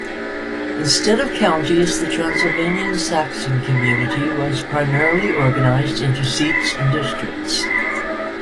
Instead of counties, the Transylvanian Saxon community was primarily organized into seats and districts.